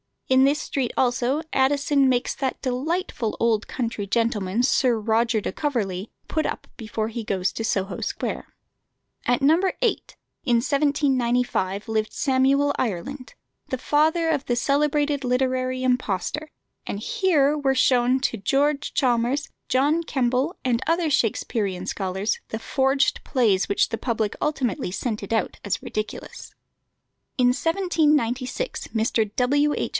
In this street also Addison makes that delightful old country gentleman, Sir Roger de Coverley, put up before he goes to Soho Square. At No. 8, in 1795, lived Samuel Ireland, the father of the celebrated literary impostor; and here were shown to George Chalmers, John Kemble, and other Shaksperian scholars, the forged plays which the public ultimately scented out as ridiculous. In 1796 Mr. W. H.